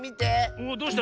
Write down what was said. おっどうした？